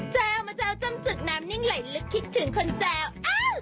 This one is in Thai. แจ๊วมาแจ๊วจ้ำจุดน้ำนิ่งไหลลึกคิดถึงคนแจ๊วอ้าว